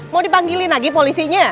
mau dipanggilin lagi polisinya